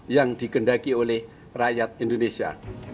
yang dikendaki oleh rakyat indonesia